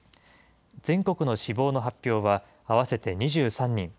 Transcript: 全国の死亡の発表は、合わせて２３人。